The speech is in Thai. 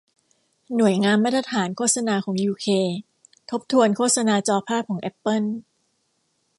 หน่วยงานมาตรฐานโฆษณาของยูเค ทบทวนโฆษณาจอภาพของแอปเปิล